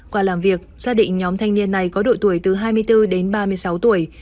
qua làm việc xác định nhóm thanh niên này có đội tuổi từ hai mươi bốn đến ba mươi sáu tuổi